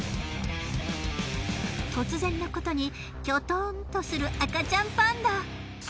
突然のことにキョトンとする赤ちゃんパンダ。